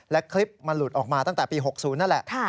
และคลิปมันหลุดออกมาตั้งแต่ปี๖๐นั่นแหละ